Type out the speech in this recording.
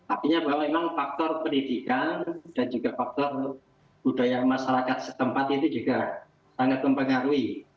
artinya bahwa memang faktor pendidikan dan juga faktor budaya masyarakat setempat itu juga sangat mempengaruhi